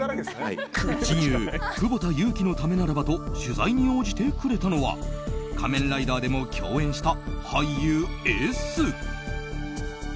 親友・久保田悠来のためならばと取材に応じてくれたのは「仮面ライダー」でも共演した